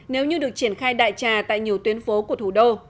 nếu như được triển khai đại trà tại nhiều tuyến phố của thủ đô